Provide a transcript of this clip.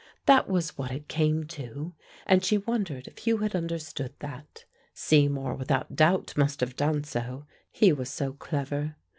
That was what it came to, and she wondered if Hugh had understood that. Seymour without doubt must have done so: he was so clever.